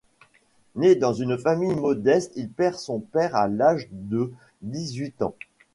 Né dans une famille modeste, il perd son père à l'âge de dix-huit ans.